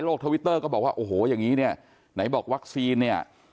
ทวิตเตอร์ก็บอกว่าโอ้โหอย่างนี้เนี่ยไหนบอกวัคซีนเนี่ย